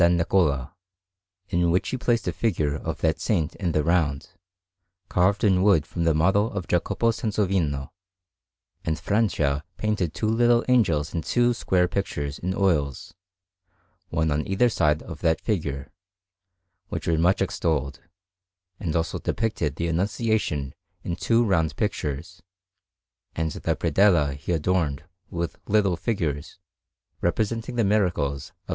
Niccola, in which was placed a figure of that Saint in the round, carved in wood from the model by Jacopo Sansovino; and Francia painted two little angels in two square pictures in oils, one on either side of that figure, which were much extolled, and also depicted the Annunciation in two round pictures; and the predella he adorned with little figures representing the miracles of S.